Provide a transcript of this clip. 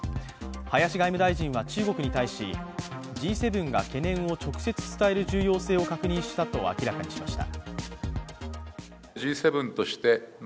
林外務大臣は中国に対し、Ｇ７が懸念を直接伝える重要性を確認したと明らかにしました。